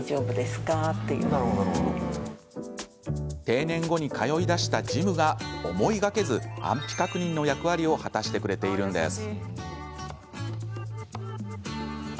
定年後に通いだしたジムが思いがけず、安否確認の役割を果たしてくれているんです。